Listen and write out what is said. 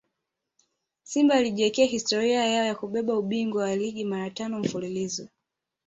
Simba walijiwekea historia yao ya kubeba ubingwa wa ligi mara tano mfululizo